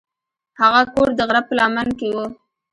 هغه کور د غره په لمن کې و.